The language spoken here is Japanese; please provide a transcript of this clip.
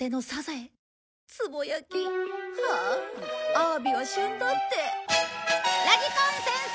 アワビは旬だって。